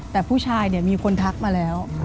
แต่ผู้ชายมีคนทักมาแล้ว